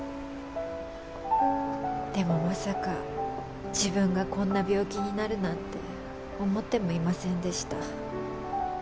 でもまさか自分がこんな病気になるなんて思ってもいませんでした。